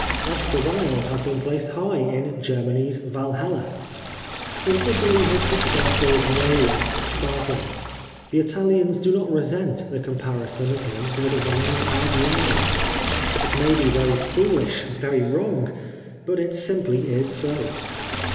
Oscar Wilde has been placed high in Germany's Walhalla. In Italy his success is no less startling. The Italians do not resent the comparison of him to the divine Alighieri. It may be very foolish, very wrong, but it simply is so.